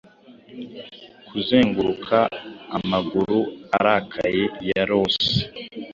Kuzenguruka amaguru arakaye ya Losi